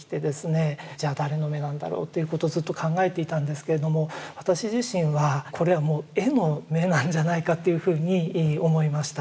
じゃあ誰の眼なんだろうっていうことをずっと考えていたんですけれども私自身はこれはもう絵の眼なんじゃないかっていうふうに思いました。